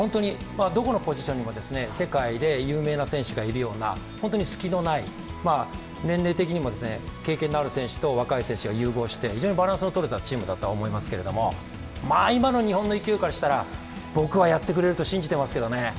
どこのポジションにも世界で有名な選手がいるような、本当に隙のない、年齢的にも経験のある選手と若い選手が融合して非常にバランスのとれたチームだとは思いますけれども、まあ今の日本の勢いからしたら、僕はやってくれると信じていますけど。